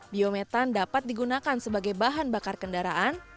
biometan dapat digunakan sebagai bahan bakar kendaraan